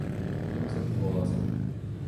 Pemzek vloaz eo.